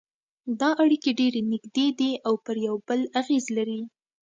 دا اړیکې ډېرې نږدې دي او پر یو بل اغېز لري